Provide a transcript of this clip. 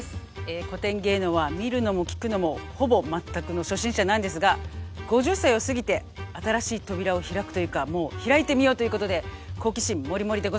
古典芸能は見るのも聴くのもほぼ全くの初心者なんですが５０歳を過ぎて新しい扉を開くというかもう開いてみようということで好奇心モリモリでございます。